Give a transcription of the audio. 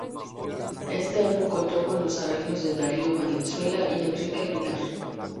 Este álbum contó con los arreglos de Darío Valenzuela y Enrique Aguilar.